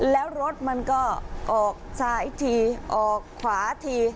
แล้วรถมันก็ออกซ้ายทีออกขวาที